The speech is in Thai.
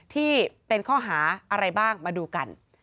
ที่เป็นข้อหาอะไรบ้างมาดูกัน